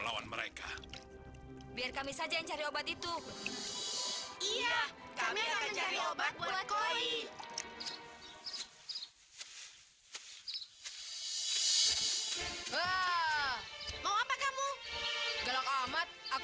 jangan lama lama ya